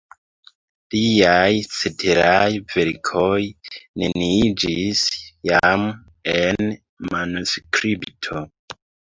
Liaj ceteraj verkoj neniiĝis jam en manuskripto.